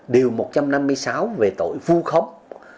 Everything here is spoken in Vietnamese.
điều một trăm năm mươi sáu về tội vu khống